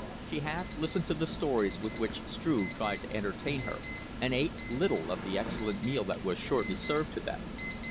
She half listened to the stories with which Struve tried to entertain her and ate little of the excellent meal that was shortly served to them.